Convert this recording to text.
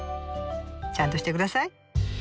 ちゃんとして下さい。